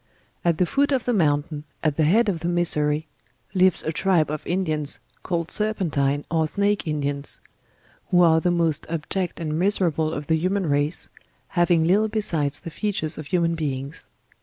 At the foot of the mountain, at the head of the Missouri, lives a tribe of Indians, called Serpen tine or Snake Indians] who are the most abject and misera ble of the human race, having little besides the features of human beings.